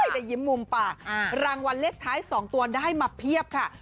ได้ยิ้มมุมปากรางวัลเลขท้าย๒ตัวได้มาเพียบค่ะ